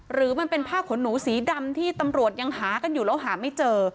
หรือมันเป็นผ้าขนหนูสีดำที่ตำรวจยังหากันอยู่แล้วหาไม่เจอ